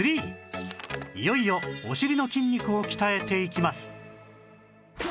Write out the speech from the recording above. いよいよお尻の筋肉を鍛えていきます